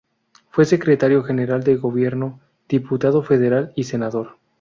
Fue secretario general de gobierno, diputado federal y senador.